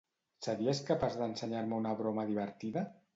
Series capaç d'ensenyar-me una broma divertida?